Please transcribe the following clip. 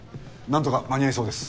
なんとか間に合いそうです。